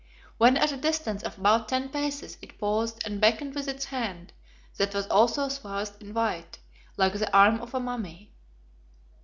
When at a distance of about ten paces it paused and beckoned with its hand, that was also swathed in white like the arm of a mummy.